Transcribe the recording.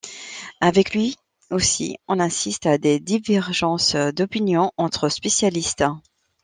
Avec lui aussi, on assiste à des divergences d'opinions entre spécialistes.